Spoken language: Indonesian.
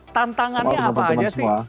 tantangannya apa aja sih